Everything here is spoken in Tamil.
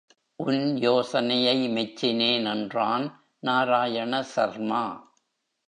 உன் யோசனையை மெச்சினேன் என்றான் நாராயண சர்மா.